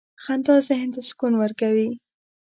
• خندا ذهن ته سکون ورکوي.